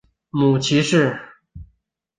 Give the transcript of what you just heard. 母齐氏。